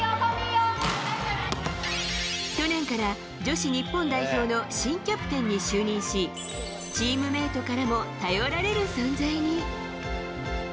去年から女子日本代表の新キャプテンに就任し、チームメートからも頼られる存在に。